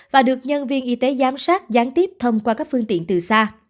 và được nhân viên y tế giám sát gián tiếp thông qua các phương tiện từ xa